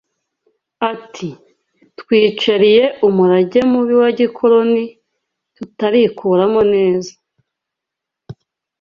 Ati “Twicariye umurage mubi wa gikoloni tutarikuramo neza